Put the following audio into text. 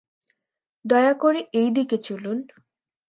দয়াকরে এই দিকে চলুন।